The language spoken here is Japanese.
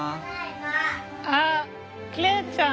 あっ來愛ちゃん！